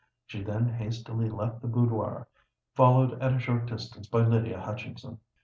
She then hastily left the boudoir, followed at a short distance by Lydia Hutchinson.